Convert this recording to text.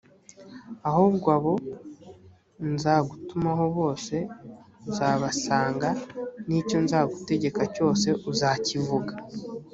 ahubwo abo nzagutumaho bose uzabasanga n icyo nzagutegeka cyose uzakivuga